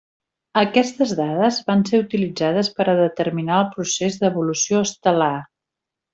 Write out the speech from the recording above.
Aquestes dades van ser utilitzades per a determinar el procés d'evolució estel·lar.